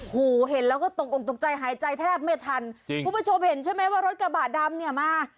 เห็นแล้วก็ตกออกตกใจหายใจแทบไม่ทันคุณผู้ชมเห็นใช่ไหมว่ารถกระบะดำเนี่ยมา